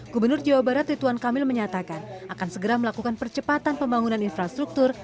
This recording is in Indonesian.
gubernur jawa barat rituan kamil menyatakan akan segera melakukan percepatan pembangunan infrastruktur